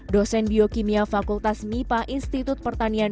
dosen biokimia fakultas mipa institut pertanian